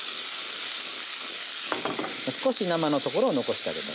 少し生のところを残してあげたい。